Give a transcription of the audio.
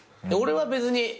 俺は別に。